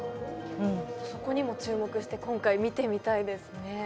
そこにも注目して今回見てみたいですね。